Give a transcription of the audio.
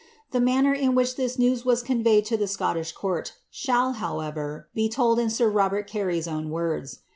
The manner in which this news was conveyed to the Scottish court shall, however, be told in sir Robert Carey's own words.